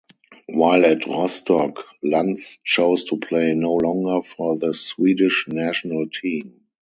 While at Rostock, Lantz chose to play no longer for the Swedish national team.